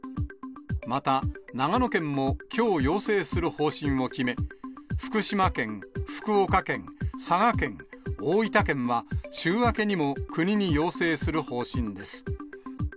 また、長野県もきょう要請する方針を決め、福島県、福岡県、佐賀県、大分県は、週明けにも国に要請する方針です。